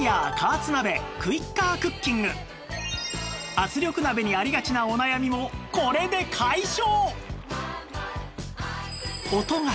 圧力鍋にありがちなお悩みもこれで解消！